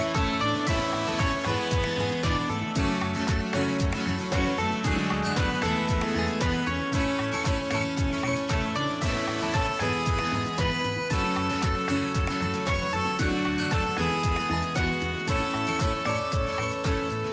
สวัสดีครับพี่สิทธิ์มหันฯสวัสดีครับ